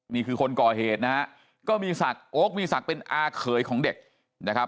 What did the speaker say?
นี่คือคนก่อเหตุนะฮะก็มีศักดิ์โอ๊คมีศักดิ์เป็นอาเขยของเด็กนะครับ